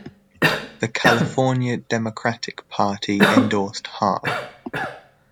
The California Democratic Party endorsed Hahn.